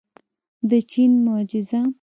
د چین معجزه.